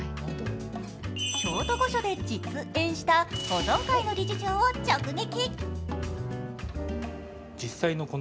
京都御所で実演した保存会の理事長を直撃。